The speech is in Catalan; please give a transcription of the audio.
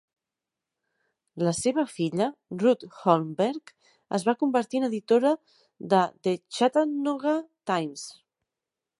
La seva filla, Ruth Holmberg, es va convertir en editora de The Chattanooga Times.